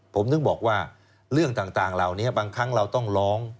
ผมถึงบอกว่าเรื่องต่างเหล่านี้บางครั้งเราต้องร้อง